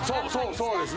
そうです！